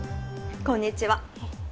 こんにちは。